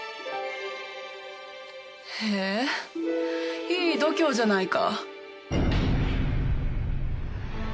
へえいい度胸じゃないか。